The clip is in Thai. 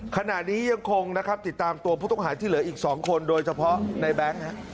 ขณะนี้ยังคงนะครับติดตามตัวผู้ต้องหาที่เหลืออีก๒คนโดยเฉพาะในแบงค์